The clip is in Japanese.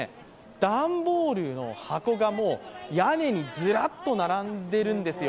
段ボールの箱が屋根にずらっと並んでいるんですよ。